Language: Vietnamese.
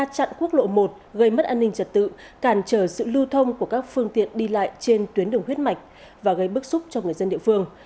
cảm trở sự lưu thông của các phương tiện đi lại trên tuyến đường huyết mạch và gây bức xúc cho người dân địa phương